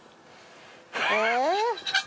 えっ。